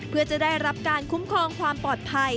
เพื่อจะได้รับการคุ้มครองความปลอดภัย